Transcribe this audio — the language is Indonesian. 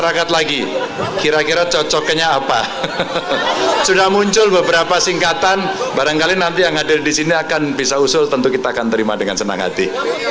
masyarakat lagi kira kira cocoknya apa sudah muncul beberapa singkatan barangkali nanti yang hadir disini akan bisa usul tentu kita akan terima dengan senang hati